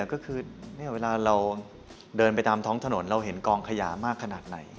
ก็คือเวลาเราเดินไปตามท้องถนนเราเห็นกองขยะมากขนาดไหน